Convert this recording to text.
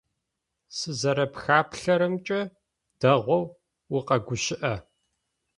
Сызэрэпхаплъэрэмкӏэ, дэгъоу укъэгущыӏэ.